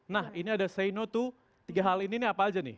nah ini ada say no dua tiga hal ini nih apa aja nih